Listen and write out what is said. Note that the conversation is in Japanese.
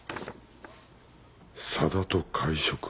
「佐田と会食」